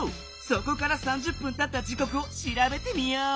そこから３０分たった時こくをしらべてみよう。